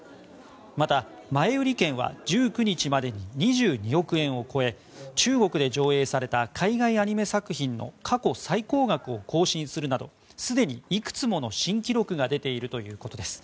また、前売り券は１９日までに２２億円を超え中国で上映された海外アニメ作品の過去最高額を更新するなどすでに、いくつもの新記録が出ているということです。